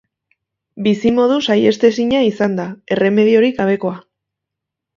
Bizimodu saihestezina izan da, erremediorik gabekoa.